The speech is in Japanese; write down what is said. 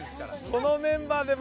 このメンバーで。